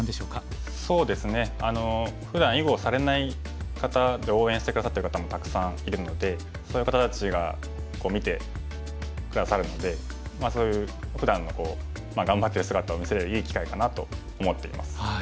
そうですねふだん囲碁をされない方で応援して下さってる方もたくさんいるのでそういう方たちが見て下さるのでそういうふだんの頑張ってる姿を見せるいい機会かなと思っています。